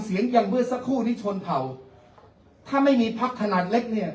เสียงอย่างเมื่อสักครู่นี้ชนเผ่าถ้าไม่มีพักขนาดเล็กเนี่ย